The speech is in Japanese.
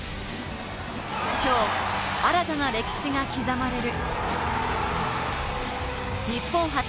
今日新たな歴史が刻まれる。